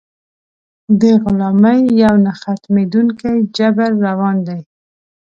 د غلامۍ یو نه ختمېدونکی جبر روان دی.